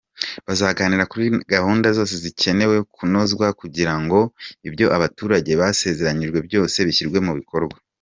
Bazanaganira kuri gahunda zikeneye kunozwa kugira ngo ibyo abaturage basezeranyijwe byose bishyirwe mu bikorwa.